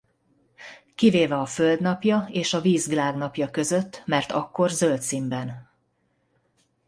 Kivéve a Föld napja és a víz világnapja között mert akkor zöld színben.